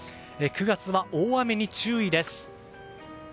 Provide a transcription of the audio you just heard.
９月は大雨に注意です。